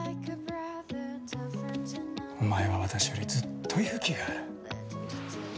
お前は私よりずっと勇気がある。